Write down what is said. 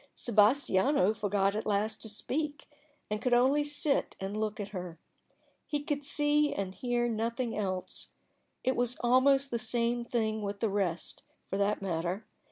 Sebastiano forgot at last to speak, and could only sit and look at her. He could see and hear nothing else. It was almost the same thing with the rest, for that matter.